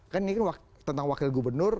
kan ini kan tentang wakil gubernur